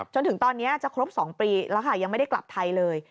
จนถึงตอนนี้จะครบ๒ปีแล้วค่ะยังไม่ได้กลับไทยเลย